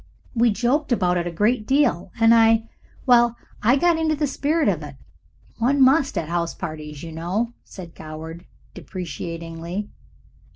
"We joked about it a great deal, and I well, I got into the spirit of it one must at house parties, you know," said Goward, deprecatingly.